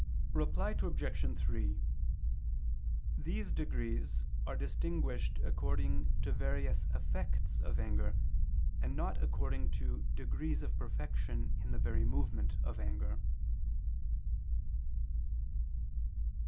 Reply Obj. 3: These degrees are distinguished according to various effects of anger; and not according to degrees of perfection in the very movement of anger.